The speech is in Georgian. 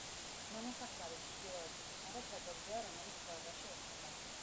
ნამოსახლარის ჩრდილოეთის მხარე ფერდობზეა, რომელიც ხეობაში ეშვება.